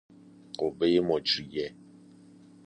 قوۀ مجریه